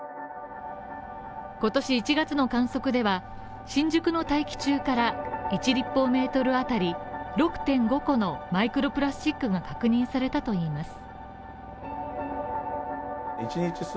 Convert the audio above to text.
今年１月の観測では、新宿の大気中から１立方メートル当たり６．５個のマイクロプラスチックが確認されたといいます。